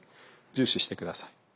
重視して下さい。